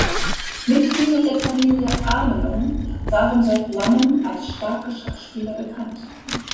Mitglieder der Familie Amelung waren seit langem als starke Schachspieler bekannt.